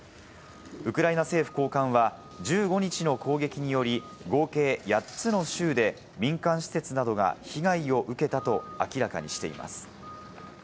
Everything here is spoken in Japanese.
ウクライナ政府高官は１５日の攻撃により、合計８つの州で民間施設などが被害を受けたと明らかにしています。